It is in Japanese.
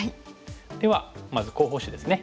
ではまず候補手ですね。